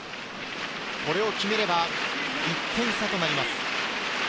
これを決めれば１点差となります。